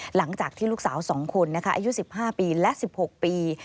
หลังจากที่ลูกสาว๒คนอายุ๑๕ปีและ๑๖ปี